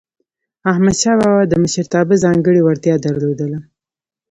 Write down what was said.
احمدشاه بابا د مشرتابه ځانګړی وړتیا درلودله.